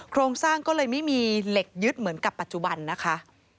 โครงสร้างก็เลยไม่มีเหล็กยึดเหมือนกับปัจจุบันนะคะ